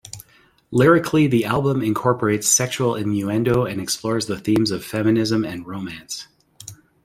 Lyrically the album incorporates sexual innuendo and explores the themes of feminism and romance.